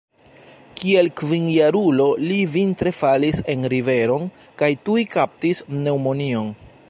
Kiel kvinjarulo li vintre falis en riveron kaj tuj kaptis pneŭmonion.